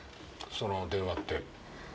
その電話って。